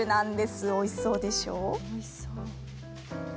おいしそうでしょう？